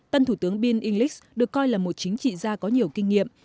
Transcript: tân thủ tướng bin english được coi là một chính trị gia có nhiều kinh nghiệm